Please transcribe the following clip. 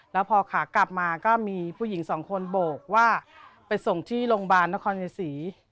แล้วพอขากลับมาก็มีผู้หญิงสองคนโบกว่าไปส่งที่โรงพยาบาลนครชัยศรี